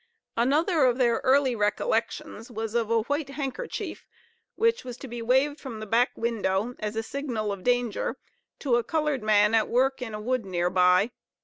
Another of their early recollections was of a white handkerchief which was to be waved from a back window, as a signal of danger, to a colored man at work in a wood near by.